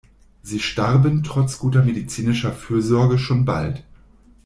Sie starben trotz guter medizinischer Fürsorge schon bald.